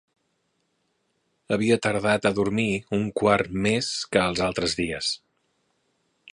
Havia tardat a dormir un quart més que els altres dies.